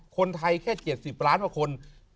คนไทยแค่๗๐ล้านกว่าคน